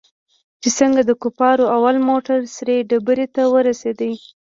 چې څنگه د کفارو اول موټر سرې ډبرې ته ورسېد.